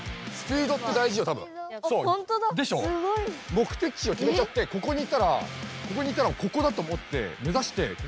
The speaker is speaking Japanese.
目的地をきめちゃってここに行ったら「ここだ！」と思って目指して。